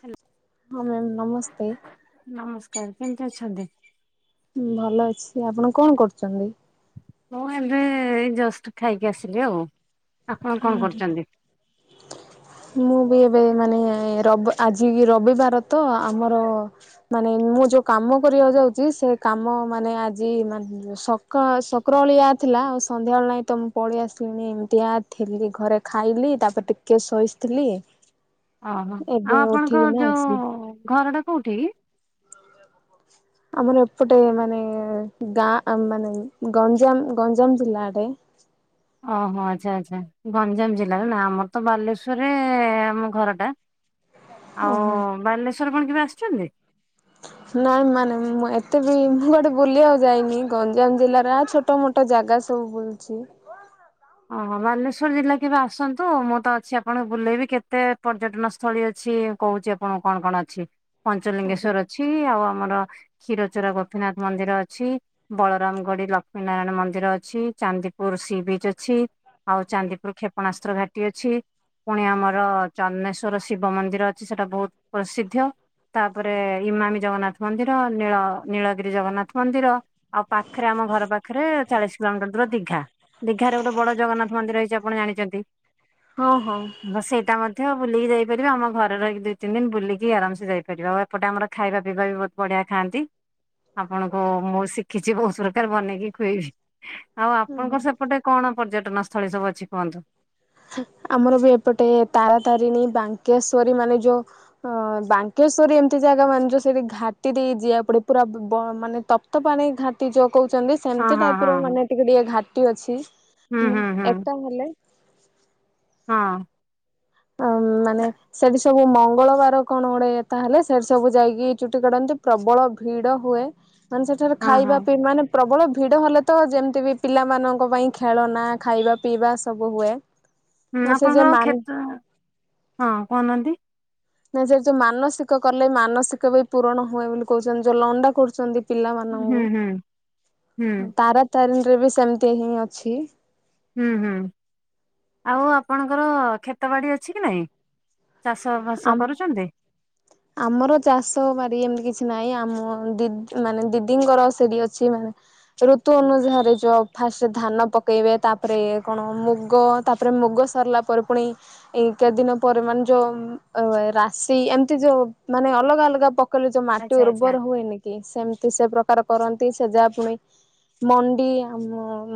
Hello ହଁ ma'am ନମସ୍କାର। ନମସ୍ କାର୍ କେମିତି ଅଛନ୍ତି? ହୁଁ ଭଲ ଅଛି ଆପଣ କଣ କରୁଚନ୍ତି? ମୁଁ ଏବେ ଏଇ ଜଷ୍ଟ ଖାଇକି ଆସିଲି ଆଉ। ଆପଣ କଣ ହୁଁ ହୁଁ। କରୁଛନ୍ତି? ମୁଁ ବି ଏବେ ମାନେ ରବ୍ ଆଜି କି ରବିବାର ତ ଆମର। ମାନେ ମୁଁ ଯୋଉ କାମ କରିବାକୁ ଯାଉଚି ସେ କାମ ମାନେ ଆଜି ମା ସକା ସକ୍ରଓଳିଆ ଥିଲା ଆଉ ସନ୍ଧ୍ୟାବେଳେ ନାଇଁ ତ ମୁଁ ପଳେଇ ଆସିଲିଣୀ ଏମିତି ଆ ଥିଲି ଘରେ ଖାଇଲି ତାପରେ ଟିକେ ଶୋଇଶ୍ ଥିଲି। ଅହଁ ଆଉ ଆପଣଙ୍କ ଆସିଲି। ଯୋଉ ଘର ଟା କୋଉଠି କି? ଆମର ଏପଟେ ମାନେ ଗାଁ ଆଁ ମାନେ ଗଞ୍ଜାମ ଗଞ୍ଜାମ ଜିଲ୍ଲା ଟେ ଅହଁ ଆଚ୍ଛା ଆଚ୍ଛା ଗଞ୍ଜାମ ଜିଲ୍ଲାରେ ନା ଆମର ତ ବାଲେଶ୍ଵରରେ ଆମ ଘର ଟା [inaudible] ଆଉ ଓହୋ ବାଲେଶ୍ଵର କଣ କେବେ ଆସିଛନ୍ତି। ନାଇଁ ମାନେ ମୁଁ ଏତେ ବି ମୁଁ କୁଆଡ଼େ ବୁଲିବାକୁ ଯାଇନି ଗଞ୍ଜାମ ଜିଲ୍ଲାରା ଛୋ ଟୋ ମୋଟୋ ଜାଗା ସବୁ ବୁଲୁଛି। ଅହଁ ବାଲେଶ୍ୱର ଜିଲ୍ଲା କେବେ ଆସନ୍ତୁ ମୁଁ ତ ଅଛି ଆପଣଙ୍କୁ ବୁଲେଇବି କେତେ ପର୍ଯ୍ୟଟନ ସ୍ଥଳୀ ଅଛି। କୋହୁଚି ଆପଣଙ୍କୁ କଣ କଣ ଅଛି ଆଜ୍ଞା। ପଞ୍ଚଲିଙ୍ଗେଶ୍ଵର ଅଛି ଆଉ ଆମର କ୍ଷୀରଚୋରା ଗୋପୀନାଥ ମନ୍ଦିର ଅଛି। ବଳରାମ ଗଡି ଲକ୍ଷ୍ମୀ ନାରାୟଣ ମନ୍ଦିର ଅଛି ଚାନ୍ଦିପୁର ସି ବିଚ୍ ଅ ଛି ଆଉ ଚାନ୍ଦିପୁର କ୍ଷେପଣାସ୍ତ୍ର ଘାଟି ଅଛି। ପୁଣି ଆମର ଚନ୍ମେଶ୍ୱର ଶିବ ମନ୍ଦିର ଅଛି ସେଟା ବୋହୁତ ପ୍ରସିଦ୍ଧ୍ୟ। ତାପରେ ଇମାମି ଜଗନ୍ନାଥ ମନ୍ଦିର ନୀଳ ନୀଳଗିରି ଜଗନ୍ନାଥ ମନ୍ଦିର। ଆଉ ପାଖେରେ ଆମ ଘର ପାଖେରେ ଚାଳିଶ କିଲୋମିଟର ଦୂର ଦିଘା। ଘାରେ ଗୋଟେ ବଡ ଜଗନ୍ନାଥ ମନ୍ଦିର ହେଇଚି ଆପଣ ଜାଣିଚନ୍ତି। ହଁ ହଁ। ନ ସେଇଟା ମଧ୍ୟ ବୁଲିକି ଯାଇପାରିବେ ଆମ ଘରେ ରହିକି ଦିଇ ତିନି ଦିନ ବୁଲିକି ଆରାମସେ ଯାଇପାରିବେ ଆଉ ଆ ଏପଟେ ଆମର ଖାଇବା ପିଇବା ବି ବୋହୁତ ବଢିଆ ଖଆନ୍ତି। ଆପଣଙ୍କୁ ମୁଁ ଶିଖିଛି ବୋହୁତ ପ୍ରକାର ବନେଇକି ଖୁଏଇବି ଆଉ ଆପଣଙ୍କର ସେ ପଟେ କଣ ପର୍ଯ୍ୟଟନ ସ୍ଥଳୀ ସବୁ ଅଛି କୁହନ୍ତୁ। ଆମର ବି ଏପଟେ ତାରାତାରିଣୀ ବାଙ୍କେଶ୍ଵରୀ ମାନେ ଯୋଉ ଅଁ ବାଙ୍କେଶ୍ଵରୀ ଏମିତି ଜାଗା ମାନେ ଯୋଉ ସେଇଠି ଘାଟି ଦେଇ ଯିଆକୁ ପଡେ ପୁରା ବୁ ବ ମନେ ତ ପ୍ତ ପାଣି ଘାଟି ଯୋଉ କୋହୁଚନ୍ତି। ହଁ ସେମିତି ହଁ ଟାଇପ ହଁ ର ମାନେ ଟିକେ ଟିକେ ଘାଟି ଅଛି ହୁଁ ଏକଟା ହେଲେ ହଁ। ଆଉ ମାନେ ସେଠୀ ସବୁ ମଙ୍ଗଳବାର କଣ ଗୋଟେ ତାହେଲେ ସେଠ୍ ସବୁ ଯାଇକି ଚୁଟି କାଟନ୍ତି ପ୍ରବଳ ଭିଡ଼ ହୁଏ। ମାନେ ସେଠାରେ ହଁ ଖାଇବା ହଁ। ପିଇ ମାନେ ପ୍ରବଳ ଭିଡ ହେଲେ ତ ଯେମତି ବି ପିଲାମାନଙ୍କ ପାଇଁ ଖେଳନା ଖାଇବା ପିଇବା ସବୁ ହୁଏ। ହୁଁ ଆଉ ସେ ଯେ ଆପଣଙ୍କର ମାନ କ୍ଷେତ ହଁ କହୁନାହାନ୍ତି। ନାଇଁ ସେ ଯୋଉ ମାନସିକ କଲେ ମାନସିକ ବି ପୁରଣ ହୁଏ ବୋଲି କହୁଛନ୍ତି ଯୋଉ ଲଣ୍ଡା କରୁଛନ୍ତି। ହୁଁ ପିଲାମାନଙ୍କୁ ହୁଁ ହୁଁ ତାରାତାରିଣୀ ରେ ବି ସେମିତି ହିଁ ଅଛି। ହୁଁ ହୁଁ ଆଉ ଆପଣଙ୍କର ଖ୍ଷେତ ବାଡି ଅଛି କି ନାଇଁ? ଚାଷ ବାସ ଆମ କରୁଛନ୍ତି? ଆମର ଚାଷ ମାରି ଏମିତି କିଛି ନାହିଁ ଆମ ଦି ମାନେ ଦିଦିଙ୍କର ସେଠି ଅଛି ମାନେ। ଋତୁ ଅନୁଯାରେୀରେ ଯ ଫାଷ୍ଟ ଧାନ ପକେଇବେ, ତାପରେ ଇ କଣ ମୁଗ ତାପରେ ମୁଗ ସାରିଲା ପରେ ପୁଣି ଏ କେତେ ଦିନ ପ ମାନେ ଯୋଉ ରାଶି ଏମ ଯୋଉ ମାନେ ଅଲଗା ଅଲଗା ପକେଇଲେ ଯୋଉ ମାଟି ଆଚ୍ଛା ଆଚ୍ଛା ଉର୍ବର ହୁଏନି କି କି ସେମିତି ସେ ପ୍ରକାର କରନ୍ତି ସେ ଯାହା ପୁଣି ମଣ୍ଡି ଆ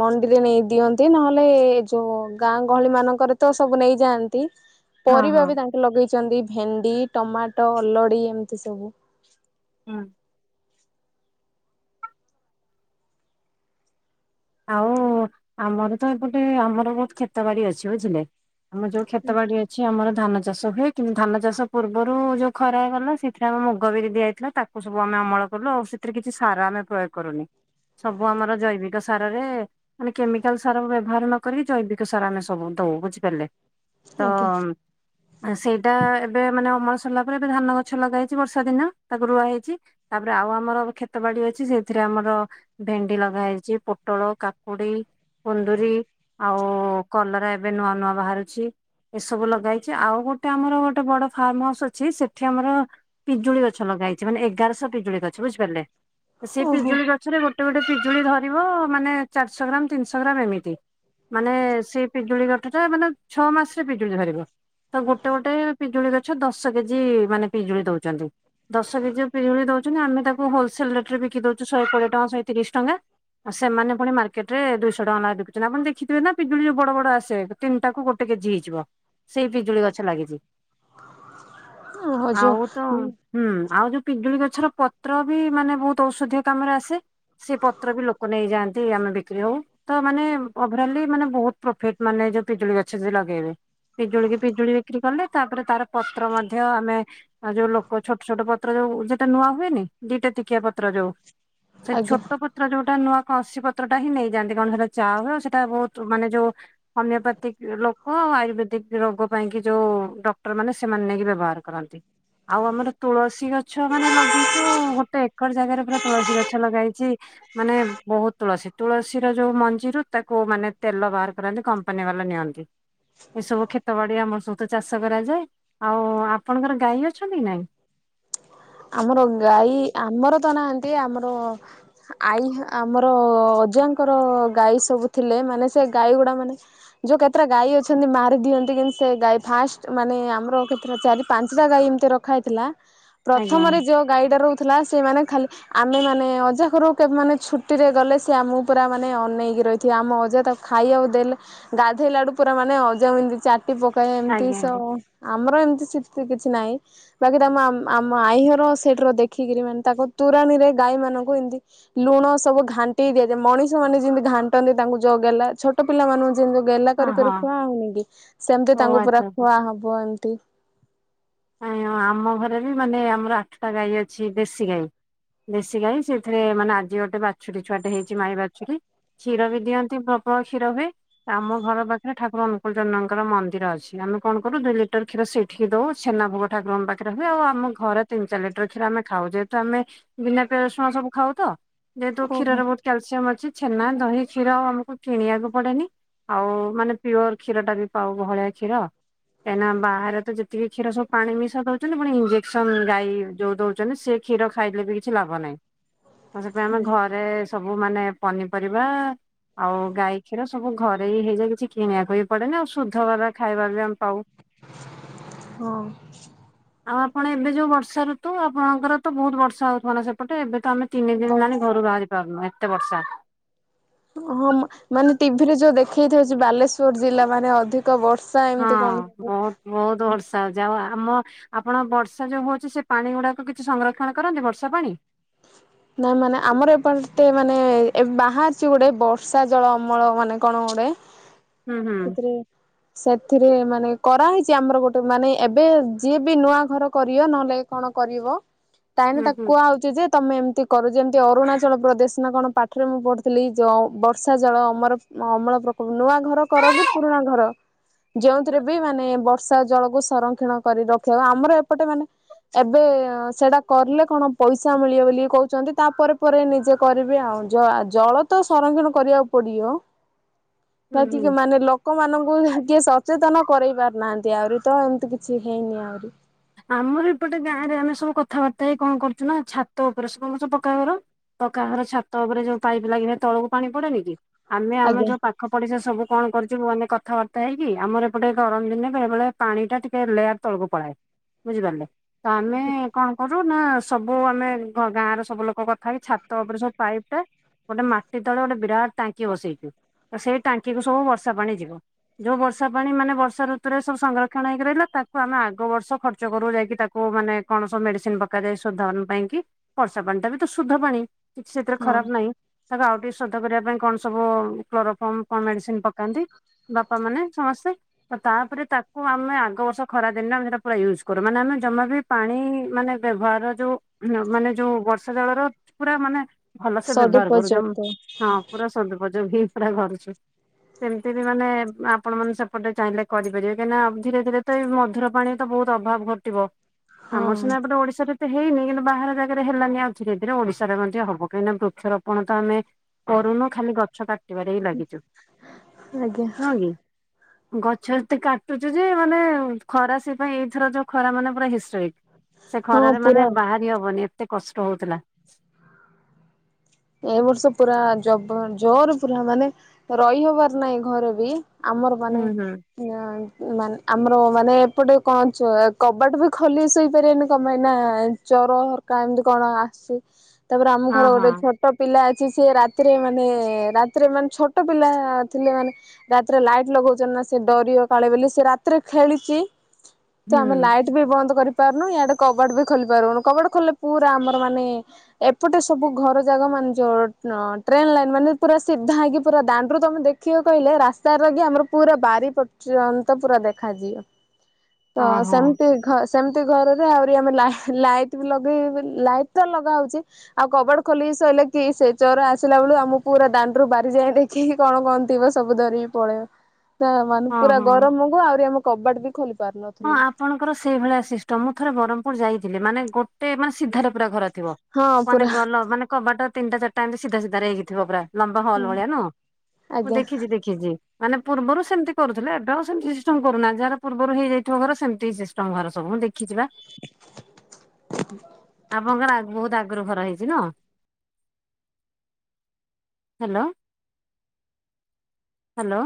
ମଣ୍ଡିରେ ନେଇ ଦିଅନ୍ତି ନହେଲେ ଏ ଯୋଉ ଗାଁ ଗହଳି ମାନଙ୍କର ତ ସବୁ ନେଇଯାଆନ୍ତି ହଁ ପରିବା ହଁ ବି ତାଙ୍କେ ଲଗେଇଛନ୍ତି ଭେଣ୍ଡି, ଟମାଟୋ, ଅଲଡି ଏମିତି ସବୁ ହୁଁ ଆଉ ଆମର ତ ଏପଟେ ଆମର ବହୁତ ଖ୍ଷେତ ବାଡି ଅଛି ବୁଝିଲେ। ଆମ ଯୋଉ ଖେତ ବାଡି ଅଛି ଆମର ଧାନ ଚାଷ ହୁଏ। କିନ୍ତୁ ଧାନ ଚାଷ ପୂର୍ବରୁ ଯଉ ଖରା ଗଲା ସେଥିରେ ଆମେ ମୁଗ ବିରି ଦିଆଯାଇଥିଲା ତାକୁ ସବୁ ଆମେ ଅମଳ କଲୁ ଆଉ। ତିରେ କିଛି ସାର ଆମେ ପ୍ରଯୋଗ କରୁନି ସବୁ ଆମର ଜୈବିକ ସାରରେ ମାନେ କେମିକାଲ ସାର ବ୍ୟବହାର ନକିକି ଜୈବିକ ସାର ଆମେ ସବୁ ଦଉ ବୁଝିପାରିଲେ। ତ ହଁ [inaudible] ସେଇଟା ଏବେ ମାନେ ଅମଳ ସରିଲା ପରେ ଏବେ ଧାନ ଗଛ ଲଗା ହେେଇଛି ବର୍ଷା ଦିନ ତାକୁ ରୁଆ ହେେଇଛି ତାପରେ ଆଉ ଆମର ଖେତ ବାଡି ଅଛି ସେଇଥିରେ ଆମର ଭେଣ୍ଡି ଲଗା ହୋଇଛି ପୋ ପୋଟଳ, କାକୁଡି, କୁନ୍ଦରିୀ ଆଉ କଲରା ଏବେ ନୂଆ ନୂଆ ବାହାରୁଛି। ଏସବୁ ଲଗା ହେଇଛି ଆଉ ଗୋଟେ ଆମର ଗୋଟେ ବଡ ଫାର୍ମ ହାଉସ ଅଛି ସେଠି ଆମର। ପିଜୁଳି ଗଛ ଲଗା ହେଇଛି ମାନେ ଏଗାରଶହ ପିଜୁଳି ଗଛ ବୁଝିପାରିଲେ। ସେଇ ଓହୋ ପିଜୁଳି ଗଛରେ ଗୋଟେ ଗୋଟେ ପିଜୁଳି ଧରିବ। ମାନେ ଚାରିଶ ଗ୍ରାମ ତିନିଶ ଗ୍ରାମ ଏମିତି। ମାନେ ସେଇ ପିଜୁଳି ଗଠ ଟା ମାନେ ଛଅ ମାସ ରେ ପିଜୁଳି ଧରିବ। ତ ଗୋଟେ ଗୋଟେ ପିଜୁଳି ଗଛ ଦଶ କେଜି ମାନେ ପିଜୁଳି ଦଉଛନ୍ତି। ଦଶ କେଜି ପିଜୁଳି ଦଉଛନ୍ତି ଆମେ ତାକୁ ହୋଲସେଲ ରେଟ ରେ ବିକି ଦଉଛ ଶହେ କୋଡ଼ିଏ ଟଙ୍କା ଶହେ ତିରିଶ ଟଙ୍କା। ଆ ସେମାନେ ଫୁଣି ମାର୍କେଟ ରେ ଦୁଶହ ଟଙ୍କା ଲାଖେ ଦେଖୁଛନ୍ତି ଆପଣ ଦେଖଥିବେ ନା ପିଜୁଳି ଯଉ ବଡ ଆସେ। ତିନିଟା କୁ ଗୋଟେ କେଜି ହେଇଯିବ ସେଇ ପିଜୁଳି ଗଛ ଲାଗିଛି। ହ [inaudible] ଯୋଉ ଆଉ ତ ହୁଁ ଆଉ ଯୋଉ ପିଜୁଳି ଗଛର ପତ୍ର ବି ମାନେ ବହୁତ ଔଷଧୀୟ କାମରେ ଆସେ ସେ ପତ୍ର ବି ଲ ନେଇଯାଆନ୍ତି ଆମେ ବିକ୍ରି ହଉ ତ ମାନେ ଓଭରଲି ମାନେ ବହୁତ ପ୍ରଫିଟ ମାନେ ଯୋଉ ପିଜୁଳି ଗଛ ଯ ଲଗେଇବେ ପିଜୁଳି ପିଜୁଳି ବିକ୍ରି କଲେ, ତାପରେ ତାର ପତ୍ର ମଧ୍ୟ ଆମେ ଯୋଉ ଲୋକ ଛୋଟ ଛୋଟ ପତ୍ର ପ ଯୋଉ ସେଟା ନୂଆ ହୁଏନି ଦିଟା ଟିକିଆ ପତ୍ର ଯୋଉ ସେଇ ଆଜ୍ଞା। ଛୋଟ ପତ୍ର ଯୋଉ ସେଟା ନୂଆ କଣସସି ପତ୍ର ଟା ହିଁ ନେଇଯାଆନ୍ତି କଣ ସେଇଟା ଚା ହୁ ଆଉ ସେଟା ବହୁତ ମାନେ ଯୋଉ ହୋମିଓପାଥିକ ଲୋକ ଆୟୁର୍ବେଦିକ ରୋଗ ପାଇଁକି ଯେଉଁ ଡକ୍ଟରମାନେ, ସେମାନେ ନେଇକି ବ୍ୟବହାର କରନ୍ତି। ଆଉ ଆମର ତୁଳସୀ ଗଛ ମାନେ ଲଗେଇଛୁ ଗୋଟେ ଏକର ଜାଗାରେ ପୁରା ତୁଳସୀ ଗଛ ଲଗାହେଇଛି। ମ ବହୁତ ତୁଳସୀ, ତୁଳସୀ ର ଯୋଉ ମଞ୍ଜିରୁ ତାକୁ ମାନେ ତେଲ ବାହାର କରନ୍ତି କମ୍ପାନୀ ବାଲା ନିଅନ୍ତି। ଏସବୁ କ୍ଷତ ବାଡି ଆମର ସହିତ ଚାଷ କରାଯାଏ ଆଉ ଆପଣଙ୍କର ଗାଈ ଅଛନ୍ତି ନାଇଁ? ଆମର ଗାଈ ଆମର ତ ନାହାନ୍ତି, ଆମର ଆଈ ଆମର ଅଜାଙ୍କର ଗାଈ ସବୁ ଥିଲେ ମାନେ ସେ ଗାଈ ଗୁଡା ମାନେ ଯୋଉ କେତେଟା ଗାଈ ଅଛନ୍ତି ମାରି ଦିଅନ୍ତି କିନ୍ତୁ ସେ ଗାଈ ଫାଷ୍ଟ ମାନେ ଆମର କେତେଟା ଚାରି ପାଞ୍ଚଟା ଗାଈ ଏମିତି ରଖ ଖାଇଥିଲା ଆଜ୍ଞା ପ୍ରଥମରେ ଯୋଉ ଗାଈଟା ରହୁଥିଲା ସେମାନେ ଖାଲି ଆମେ ମାନେ ଅଜା ଘରୁକୁ କେବେ ମାନେ ଛୁଟିରେ ଗଲେ ସେ ଆମକୁ ପୁରା ମାନେ ଅନେଇକି ରହିଥିବେ ଆମ ଅଜା ତାକୁ। ଖାଇବାକୁ ଦେଲେ ଗାଧୋଇଲା ଠୁ ପୁରା ମାନେ ଅଜା ଏମତି ଚା। ବୋଉ କହେ ଏମିତି ଆଜ୍ଞା ସୋ ଆଜ୍ଞା ଆମର ଏମିତି [unintelligible] କିଛି ନାହିଁ ବାକି ତମ ଆମ୍ ଆମ ଆଇ ଘର ସେଠ ର ଦେଖିକିରି ମାନେ ତାକୁ ତୋରାଣୀରେ ଗାଈ ମାନଙ୍କୁ ଏମତି। ଲୁଣ ସବୁ ଘାଣ୍ଟିଇ ଦିଆଯାଏ ମଣିଷ ମାନେ ଯେମିତି ଘାଣ୍ଟନ୍ତି ତାଙ୍କୁ ଜଗେଇଲା ଛୋଟ ପିଲାମନଙ୍କୁ। ଯେମତି ଗେଲା ହଁ କରି କରି ଖୁଆ ହଁ ହଉନି କି ସେମତି ଓ ତାଙ୍କୁ ଆଚ୍ଛା ପୁରା ଆଚ୍ଛା। ଖୁଆ ହବ ଏମତି। ନାଇଁ ଆଉ ଆମ ଘରେ ବି ମାନେ ଆମର ଆଠୁଟା ଗାଈ ଅଛି ମାନେ ଦେଶୀ ଗାଈ। ଦେଶୀ ଗାଈ ସେଥିରେ ମାନେ ଆଜି ଗୋଟେ ବାଛୁରୀ ଛୁଆଟେ ହେଇଛି ମାଇ ବାଛୁରୀ। କ୍ଷୀର ବି ଦିଅନ୍ତି ପ୍ରବଳ କ୍ଷୀର ହୁଏ। ଆମ ଘର ପାଖରେ ଠାକୁର ଅନୁକୂଳ ଚନ୍ଦ୍ରଙ୍କର ମନ୍ଦିର ଅଛି ଆମେ କଣ କରୁ ଦୁିଇ ଲିଟର କ୍ଷୀର ସେଇଠିକି ଦଉ। ଛେନା ଭୋଗ ଠାକୁରଙ୍କ ପାଖରେ ହୁଏ ଆମ ଘରେ ତିନି ଚାରି ଲଟ କ୍ଷୀରେ ଆମେ ଖାଉ ଯେହେତୁ ଆମେ। ବିନା ପିଆଜ ରସୁଣ ସବୁ ଖାଉ ତ ଯେହେତୁ ଓହୋ କ୍ଷୀରରେ ବତ୍। କ୍ୟାଲସିୟମ ଅଛି ଛେନା ଦହି କ୍ଷୀର ଆଉ ଆମକୁ କିଣିବାକୁ ପଡେନି। ଆଉ ମାନେ ପିଓର କ୍ଷୀର ଟା ବି ପାଉ ବହଳିଆ କ୍ଷୀର କାହିଁକି ନା ବାହାରେ ତ ଯେତିକି କ୍ଷୀର ସବୁ ପାଣି ମିଶା ଦଉଛନ୍ତି ପଣି ଇଞ୍ଜେକ୍ସନ ଗାଈ ଯୋଉ ଦୋଉଛନ୍ତି ସେ କ୍ଷୀର ଖାଇଲେ ବି କିଛି ଲାଭ ନାହିଁ। ସେଥପାଇ ଆମେ ହୁଁ। ଘରେ ସବୁ ମାନେ ପନିପରିବା ଆଉ ଗାଈ କ୍ଷୀର ସବୁ ଘରେ ଏ ହେଇଯାଏ ଏ କିଛି କିଣିବାକୁ ବି ପଡେନି ଆଉ ଶୁଧ ବାଲା ଖାଇବା ବି ଆମେ ପାଉ। ହଁ। ଆଉ ଆପଣ ଏବେ ଯୋଉ ବର୍ଷା ଋତୁ ଆପଣଙ୍କର ତ ବହୁତ ବର୍ଷା ହଉଥଥିଲା ନା ସେପଟେ ଏବେ ତ ଆମେ ତିନି ଦିନ ମାନେ ବର୍ଷ ଘରୁ ବାହାରି ପାରୁନୁ ଏତେ ବର୍ଷା। ହଁ ମାନେ ଟିଭି ରେ ଯୋଉ ଦେଖେଇଥଉଛି ବାଲେଶ୍ୱର ଜିଲ୍ଲା ମାନେ ଅଧିକ କ ବର୍ଷା ଏମିତି କଣ? ବୋହୁତ ବର୍ଷା ହଉଚି ଆଉ ଆମ ଆପଣ ବର୍ଷା ଯୋଉ ହଉଛି ସେ ପାଣି ଗୁଡାକ କିଛି ସଂରକ୍ଷଣ କରନ୍ତି ବର୍ଷା ପାଣି! ନା ମାନେ ଆମର ଏପଟତେ ମାନେ ବାହାରିଛି ଗୋଟେ ବର୍ଷା ଜଳ ଅମଳ ମାନେ କଣ ଗୋଟେ ହୁଁ ହୁଁ ସେଥିରେ ସେଥିରେ ମାନେ କରାହୋଇଛି ଆମର ଗୋଟେ ମାନେ ଏବେ ଯିଏ ବି ନୂଆ ଘର କରିବ ନହେଲେ କଣ କରିବ ତାହେନେ ହୁଁ ତାକୁ ହୁଁ କୁହା ହଉଛି ଯେ ତମେ ଏମତି କରୁ ଯେମିତି ଅରୁଣାଚଳ ପ୍ରଦେଶ ନା କଣ ପାଠରେ ମୁଁ ପଢ଼ଥିଲି ଯ ବର୍ଷା ଜଳ ଅମର ଅମଳ ପ୍ରକଳ୍ପ ନୂଆ ଘର କର କି ପୁରୁଣା ଘର ଯେଉଁଥିରେ ବି ମାନେ ବର୍ଷା ଜଳକୁ ସଂରକ୍ଷଣ କରି ରଖିହବ ଆମର ଏପଟେ ମାନେ ଏବେ ସେଟା କରିଲେ କଣ ପଇସା ମିଳିବ ବୋଲି କହୁଛି ଛନ୍ତି ତାପରେ ପରେ ନିଜେ କରିବି ଆଉ ଜଳ ତ ସଂରକ୍ଷଣ କରିବାକୁ ପଡିବ। ହୁଁ ହୁଁ। ଯତିିକ ମାନେ ଲ। [unintelligible] ଲୋକମାନାନଙ୍କୁ କିଏ ସଚେତନ କରେଇ ପାରୁନାହାନ୍ତି ଆହୁରି ତ ଏମିତି କିଛି ହେଇନି ଆହୁରି। ଆମର ଏପଟେ ଗାଁରେ ଆମେ ସବୁ କଥାବାର୍ତ୍ତା ହେଇ କଣ କରୁ ନା ଛାତ ଉପରେ ସବୁ [unintelligible] ସବୁ ପକାଘର। ପକାଘର ଛାତ ଉପରେ ଯୋଉ ପାଇପ ଲାଗଥା ତଳକୁ ପାଣି ପଡେନି କି ଆମେ ଆମେ ଆଜ୍ଞା ଯୋଉ ପାଖ ପଢିସା ସବୁ କଣ କରିଛୁ ମାନେ କଥାବାର୍ତ୍ତା ହେଇକି ଆମର ଏପଟେ ଗରମ ଦିନେ ବେଳେ ବେଳେ ପାଣି ଟା ଟିକେ ଲେୟାର ତଳକୁ ପଳାଏ ବୁଝିପାରିଲେ ତ ଆମେ କଣ କରୁ ନା ସବୁ ଆମେ ଗାଁରେ ସବୁ ଲୋକ କଥା ହେଇକି ଛାତ ଉପରେ ସବୁ ପାଇପ୍ ଟା ଗୋଟେ ମାଟି ତଳେ ଗୋଟେ ବିରାଟ ଟାଙ୍କି ବସେଇଛୁ ତ ସେଇ ଟାଙ୍କି କୁ ସବୁ ବର୍ଷା ପାଣି ଯିବ। ଯୋଉ ବର୍ଷା ପାଣି ମାନେ ବର୍ଷ ଋତୁରେ ସବୁ ସଂରକ୍ଷଣ ହେଇକି ରହିଲା ତାକୁ ଆମେ ଆଗ ବର୍ଷ ଖର୍ଚ୍ଚ ଖର୍ଚ କରୁ ଯାଇକି ତାକୁ ମାନେ କଣ ସବୁ ମେଡିସିନ ପକାଯାଏ ସୁଧନ ପାଇଁ କି। ବର୍ଷା ପାଣିଟା ବି ତ ଶୁଦ୍ଧ ପାଣି। ସେଥିରେ ହଁ ଖରାପ ନାହିଁ ତାକୁ ଆଉ ଟିକେ ଶୋଧ କରିବା ପାଇଁ କଣ ସବୁ କ୍ଲୋରଫର୍ମ କଣ ମେଡିସିନ ପକ କାନ୍ତି ବାପା ମାନେ ସମସ୍ତେ। ତ ତାପରେ ତାକୁ ଆମେ ଆଗ ବର୍ଷ ଖରାଦିନରେ ଆମେ ସେଟା ପୁରା ୟୁଉଜ୍ କରୁ ମାନେ ଆମେ ଜମା ବି ପାଣି ମାନେ ବ୍ୟବହାର ଯୋଉ ମାନେ ଯୋଉ ବର୍ଷା ଜଳର ପୁରା ମାନେ ଭଲ ସେ ବ୍ୟବହାର କରୁ ସଦୁପଯୋଗ ହଁ ପୁରା ସଦୁପଯୋଗୀ ପୁରା କରୁଛୁ ସେମିତି ବି ମାନେ ଆପଣ ମାନେ ସେପଟେ ଚାହିଁଲେ କରିପାରିବେ କାହିଁକି‌ ନା ଧୀରେ ଧୀରେ ତ ଏ ମଧୁର ପାଣି ତ ବୋହୁତ ଅଭାବ ଘଟିବ ଆମର ହଁ ସିନା ଏପଟେ ଓଡିଶାରେ ହେଇନି କିନ୍ତୁ ବାହାର ଜାଗାରେ ହେଲାନି ଆଉ ଧୀରେ ଧୀରେ ଓଡିଶାରେ ମଧ୍ୟ ହବ କାହିଁକିନା ବୃକ୍ଷରୋପଣ ତ ଆମେ କରୁନୁ ଖାଲି ଗଛ କାଟିବାରେ ହିଁ ଲାଗିଛୁ ଆଜ୍ଞା ନୁହେଁ କି? ଗଛ ଏତେ କାଟୁଚୁ ଯେ ମାନେ ଖରା ସେଥିପାଇଁ ଏଇଥର ଯୋଉ ଖରା ମାନେ ପୁରା ହିଷ୍ଟିକ୍ ସେ ହଁ ଖରାରେ ମାନେ ପୁରା ବାହାରି ହବନି ଏତେ କଷ୍ଟ ହଉଥିଲା। ଏ ବର୍ଷ ପୁରା ଜବ-ଜୋର ପୁରା ମାନେ ରହି ହବାର ନାହିଁ ଘରେ ବି। ଆମର ମାନେ ହୁଁ ହୁଁ। ନା ମାନେ ଆମର ମାନେ ଏପଟେ କଣ କବାଟ ବି ଖୋଲି ଶୋଇପାରିବନି କଣ ପାଇଁ ନା ଚୋର ହରିକା ଏମିତି କଣ ଆସି ତାପରେ ଆମ ହଁ ଘର ଗୋଟେ ହଁ ଛୋ ଛୋଟ ପିଲା ଅଛି ସେ ରାତିରେ ମାନେ ରାତିରେ ମାନେ ଛୋଟ ପିଲା ଥିଲେ ମାନେ ରାତିରେ ଲାଇଟ୍ ଲଗାଉଛୁ ନା ସେ ଡରିିବ କାଳେ ବେଲି ସେ ରାତିରେ ଖେଳିଛି ତ ଆମେ ହୁଁ ଲାଇଟ୍ ବି ବନ୍ଦ କରି ପାରୁନୁ ଆଡେ କବାଡ ବି ଖୋଲି ପାରୁନୁ କବାଡ ଖୋଲିଲେ ପୁରା ଆମର ମାନେ ଏପଟେ ସବୁ ଘର ଜାଗା ମାନେ ଯୋଉ ଟ୍ରେନ୍ ଲାଇନ୍ ମାନେ ପୁରା ସିଧା ହେଇକି ପୁରା ଦାଣ୍ଡରୁ ତମେ ଦେଖିବ କହିଲେ ରାସ୍ ତାର କି ଆମର ପୁରା ବାରି ପର୍ଯ୍ୟନ୍ତ ପୁରା ଦେଖାଯିବ। ତ ଓହୋ ସେମିତି ଘ ସେମିତି ଘରେରେ ଆହୁରି ଆମେ -ଲା-ଲାଇଟ୍ ବି ଲଗେଇ ଲାଇଟ୍ ତ ଲଗା ହଉଛି ଆଉ କବାଡ ଖୋଲିକି ସୋଇଲେ କି ସେ ଚୋର ଆସିଲା ବଳୁ ଆମକୁ ପୁରା ଦାଣ୍ଡରୁ ବାରିଯାଏ ଦେଖି କଣ କଣ ଥିବ ସବୁ ଧରିକି ପଳେଇବ। ତା ମାନେ ହଁ ପୁରା ହଁ। ଗରମ କୁ ଆହୁରି ଆମେ କବାଟ ବି ଖୋଲି ପାରୁନୁ। ହଁ ଆପଣଙ୍କର ସେଇ ଭଳିଆ ସିଷ୍ଟମ ମୁଁ ଥରେ ବ୍ରହ୍ମପୁର ଯାଇଥିଲି ମାନେ ଗୋଟେ ମାନେ ସିଧାର ପୁରା ଘର। ଥିବ ହଁ ମାନେ ପୁରା ଗଲ ମାନେ କବାଟ ତିନିଟା ଚାରିଟା ଏମତି ସିଧା ସିଧା ହେଇକିଥିବ ପୁରା। ଲମ୍ବା ହଲ୍ ଭଳିଆ ନୁହଁ ମୁଁ ଆଜ୍ଞା। ଦେଖିଛି ଦେଖି ମାନେ ପୂର୍ବରୁ ସେମତି କରୁଥିଲେ ଏବେ ଆଉ ସେମତି ସିଷ୍ଟମ କରୁନାହାନ୍ତି ଯାହାର ପୂର୍ବରୁ ହେଇଯାଇ ତୁମ ଘର ସେମତି ସିଷ୍ଟମ ଘର ସବୁ ମୁଁ ଦେଖିଛିବା। ଆପଣଙ୍କର ବହୁତ ଆଗରୁ ଘର ହେଇଛି ନୁହ। Hello hello.